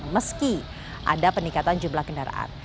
meski ada peningkatan jumlah kendaraan